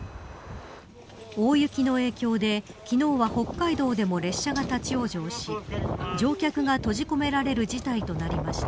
大雪の影響で昨日は北海道でも列車が立ち往生し乗客が閉じ込められる事態となりました。